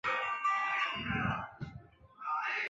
中麝鼩为鼩鼱科麝鼩属的动物。